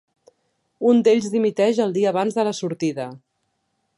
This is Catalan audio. Un d'ells dimiteix el dia abans de la sortida.